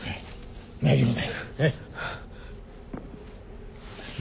大丈夫だ。